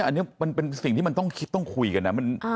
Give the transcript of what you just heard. อันนี้มันเป็นสิ่งที่มันต้องคิดต้องคุยกันนะ